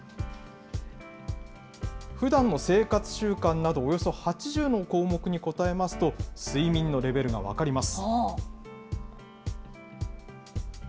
ふだんの生活習慣など、およそ８０の項目に答えますと、睡眠のレベルが分かります。